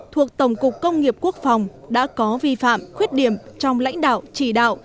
thuộc tổng cục công nghiệp quốc phòng đã có vi phạm khuyết điểm trong lãnh đạo chỉ đạo